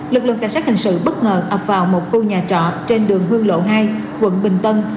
lực lượng cảnh sát hình sự bất ngờ ập vào một khu nhà trọ trên đường vương lộ hai quận bình tân